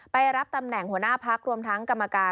ไปรับแปลจ่ำแหน่งหัวหน้าพรรคกรวมทางกรรมการ